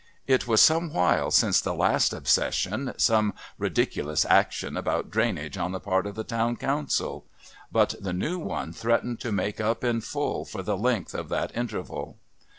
It was some while since the last obsession, some ridiculous action about drainage on the part of the Town Council. But the new one threatened to make up in full for the length of that interval.